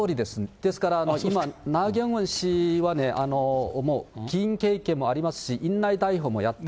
ですから、今、ナ・ギョンウォン氏は、議員経験もありますし、院内もやった。